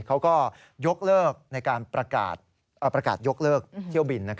เขาก็ยกเลิกในการประกาศยกเลิกเที่ยวบิน